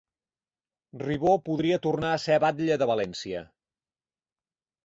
Ribó podria tornar a ser batlle de València